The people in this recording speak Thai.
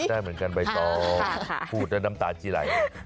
ได้เหมือนกันใบตองพูดแล้วน้ำตาทีไหล